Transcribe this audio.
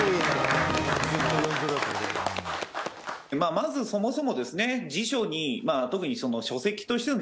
まずそもそもですね